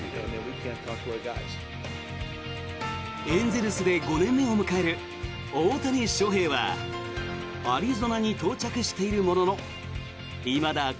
エンゼルスで５年目を迎える大谷翔平はアリゾナに到着しているもののいまだ